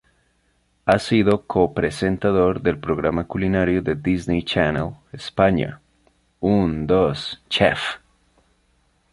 Ha sido co-presentador del programa culinario de Disney Channel España: "Un, dos, chef!